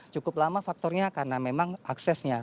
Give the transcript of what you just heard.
cukup lama faktornya karena memang aksesnya